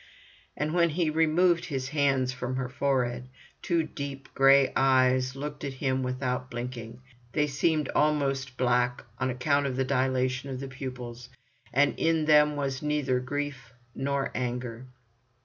And when he removed his hands from her forehead, two deep, grey eyes looked at him without blinking; they seemed almost black on account of the dilation of the pupils, and in them was neither grief nor anger.